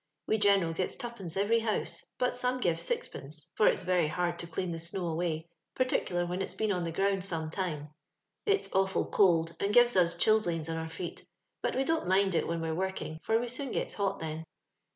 We general gets twopence every house, but some gives sixpence, for it's very hard to dean the snow away, particular when it's been on the ground some time. It's awfol cold, and gives us chil blains on our fbet ; but we don't mind it when we're working, for we soon gets hot then.